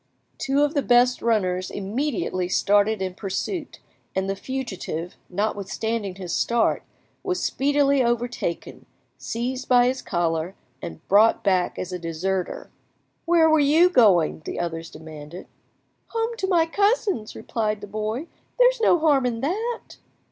Two of the best runners immediately started in pursuit, and the fugitive, notwithstanding his start, was speedily overtaken, seized by his collar, and brought back as a deserter. "Where were you going?" the others demanded. "Home to my cousins," replied the boy; "there is no harm in that."